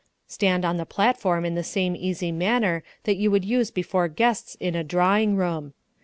Stand on the platform in the same easy manner that you would use before guests in a drawing room.